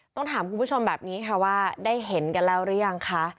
ต้องถามคุณผู้ชมแบบนี้ค่ะว่าได้เห็นกันแล้วหรือยังคะ